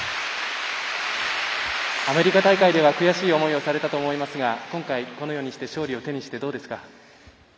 アメリカ大会では悔しい思いをされたと思いますが今回、このように勝利を手にされてどうですか？